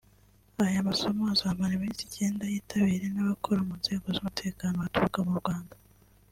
Aya masomo azamara iminsi icyenda yitabiriye n’abakora mu nzego z’umutekano baturuka mu mu Rwanda